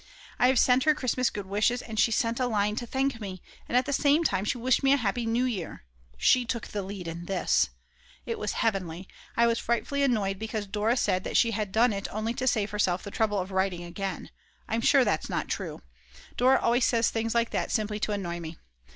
I had sent her Christmas good wishes, and she sent a line to thank me, and at the same time she wished me a happy New Year, she took the lead in this; it was heavenly. I was frightfully annoyed because Dora said that she had done it only to save herself the trouble of writing again; I'm sure that's not true. Dora always says things like that simply to annoy me.